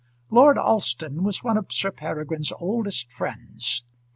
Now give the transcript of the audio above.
Lord Alston was one of Sir Peregrine's oldest friends.